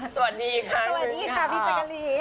สวัสดีค่ะสวัสดีค่ะพี่จักรี